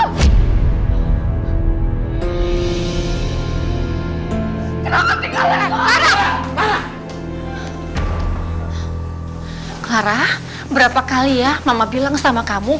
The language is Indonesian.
larah berapa kali ya mama bilang sama kamu